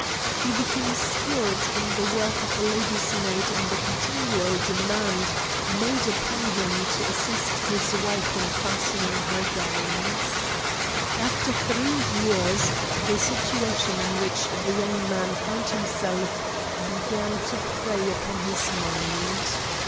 He became skilled in the work of a lady's maid in the continual demand made upon him to assist his wife in fastening her gowns. After three years the situation in which the young man found himself began to prey upon his mind.